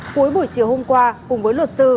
cuối buổi chiều hôm qua cùng với luật sư